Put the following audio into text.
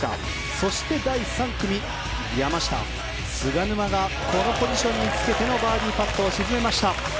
そして、第３組山下・菅沼がこのポジションにつけてのバーディーを沈めました。